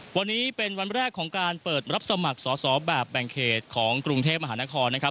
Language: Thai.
วันนี้เป็นวันแรกของการเปิดรับสมัครสอสอแบบแบ่งเขตของกรุงเทพมหานครนะครับ